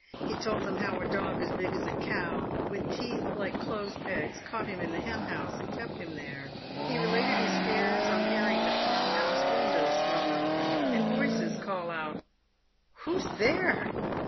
He told them how a dog as big as a cow, with teeth like clothes pegs, caught him in the hen house, and kept him there. He related his fears on hearing the farm house windows thrown open, and voices PAYED WITH GOLD. 293 call out, " Who's there